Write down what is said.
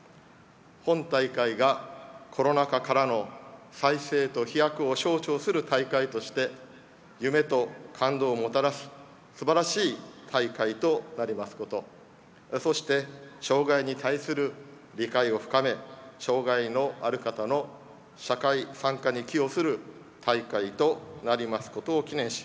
本大会が、コロナ禍からの再生と飛躍を象徴する大会として夢と感動をもたらす素晴らしい大会となりますことそして、障害に対する理解を深め障害のある方の社会参加に寄与する大会となりますことを祈念し